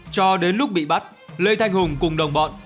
cho đến lúc bị bắt lê thanh hùng cùng đồng bọn